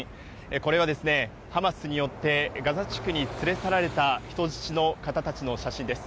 これはハマスによってガザ地区に連れ去られた人質の方たちの写真です。